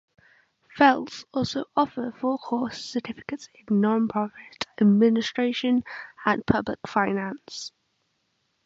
Fels also offers four-course certificates in Nonprofit Administration and Public Finance.